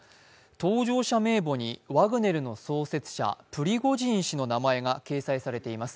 搭乗者名簿にワグネルの創設者・プリゴジン氏の名前が掲載されています。